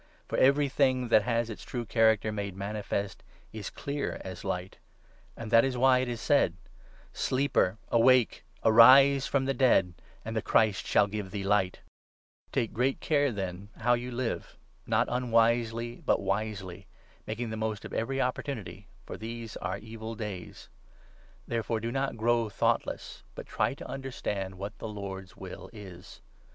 For everything that has its true character made manifest is clear as light. And that is why it is said — 14 * Sleeper, awake ! Arise from the dead, And the Christ shall give thee light !'» Zech. 8. 16. » Ps. 4. 4. 2 Pa. 40. 6 ; Ezek. ao. 41. EPHESIANS, 5 6. 395 Take great care, then, how you live — not unwisely but 15 wisely, making the most of every opportunity ; for these are 16 evil days. Therefore do not grow thoughtless, but try to under 17 stand what the Lord's will is.